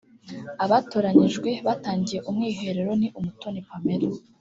Abatoranyijwe batangiye umwiherero ni Umutoni Pamella